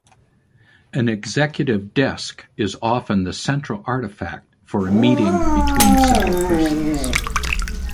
An executive desk is often the central artifact for a meeting between several persons.